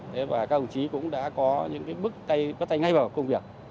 thế và các công chí cũng đã có những cái bước tay ngay vào công việc